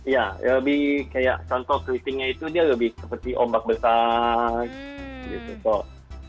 ya lebih kayak contoh keritingnya itu dia lebih seperti ombak bekas gitu kok